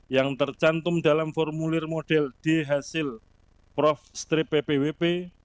yang tercantum dalam formulir model d hasil prof strip ppwp